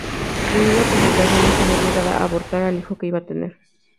Debido a complicaciones, se vio obligada a abortar al hijo que iban a tener.